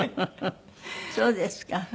そうですか。